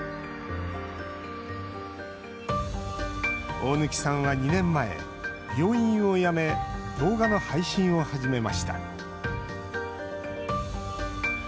大貫さんは２年前、病院を辞め動画の配信を始めました。